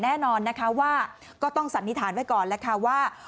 แน่นอนนะคะว่าก็ต้องสันนิษฐานไว้ก่อนแล้วค่ะว่า